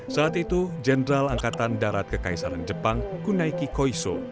saat itu jenderal angkatan darat kekaisaran jepang kunaiki koiso